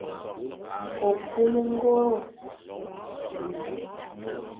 Okum ongoro.